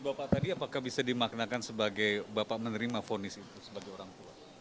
bapak tadi apakah bisa dimaknakan sebagai bapak menerima fonis itu sebagai orang tua